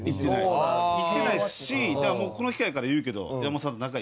いってないしだからもうこの機会やから言うけど山本さんと仲いいから。